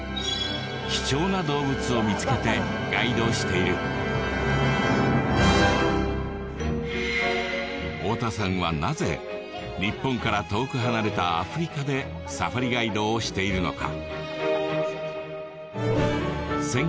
貴重な動物を見つけてガイドしている太田さんはなぜ日本から遠く離れたアフリカでサファリガイドをしているのか？